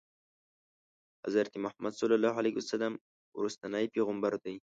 حضرت محمد صلی الله علیه وسلم وروستنی پیغمبر دی.